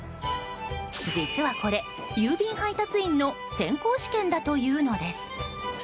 実はこれ、郵便配達員の選考試験だというのです。